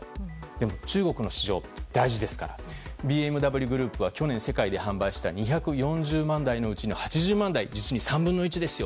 でも、中国の市場は大事ですからＢＭＷグループは去年世界で販売した２４０万台のうちの８０万台実に３分の１ですよ。